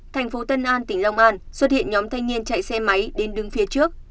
thành phố tân an tỉnh long an xuất hiện nhóm thanh niên chạy xe máy đến đứng phía trước